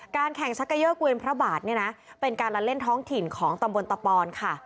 แข่งซักเกยอร์เกวียนพระบาทเนี่ยนะเป็นการละเล่นท้องถิ่นของตำบลตะปอนค่ะ